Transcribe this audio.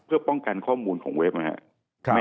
เพื่อป้องกันข้อมูลของเว็บนะครับ